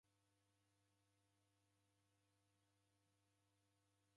Ini sijagha nyama ya mburi